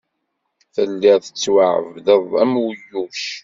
Telliḍ tettwaɛebdeḍ am uyuc.